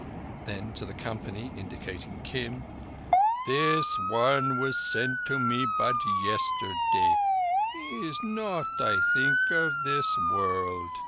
Then to the company, indicating Kim: "This one was sent to me but yesterday. He is not, I think, of this world."